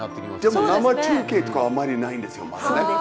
でも生中継とかはあまりないんですよまだ。